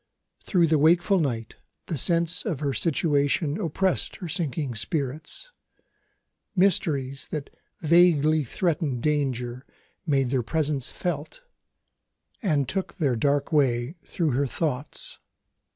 Through the wakeful night the sense of her situation oppressed her sinking spirits. Mysteries that vaguely threatened danger made their presence felt, and took their dark way through her thoughts.